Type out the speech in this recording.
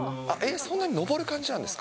そんなに登る感じなんですか？